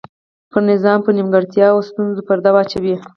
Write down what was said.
پر نظام پر نیمګړتیاوو او ستونزو پرده واچوي.